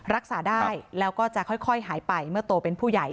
รักษาได้แล้วก็จะค่อยหายไปเมื่อโตเป็นผู้ใหญ่